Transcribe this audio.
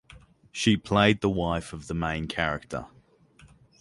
She played the wife of the main character.